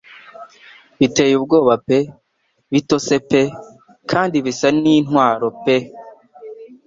biteye ubwoba pe bitose pe kandi bisa n'intwaro pe